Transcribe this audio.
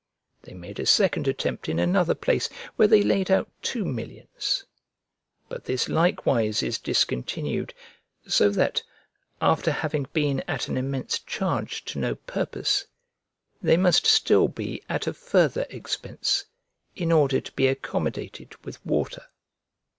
They made a second attempt in another place, where they laid out two millions. But this likewise is discontinued; so that, after having been at an immense charge to no purpose, they must still be at a further expense, in order to be accommodated with water.